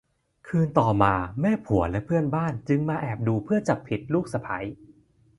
คืนต่อมาแม่ผัวและเพื่อนบ้านจึงมาแอบดูเพื่อจับผิดลูกสะใภ้